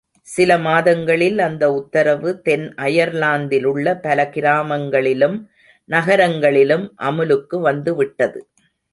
சில மாதங்களில் அந்த உத்தரவு தென் அயர்லாந்திலுள்ள பல கிராமங்களிலும் நகரங்களிலும் அமுலுக்கு வந்துவிட்டது.